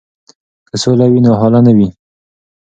که سوله وي نو هاله نه وي.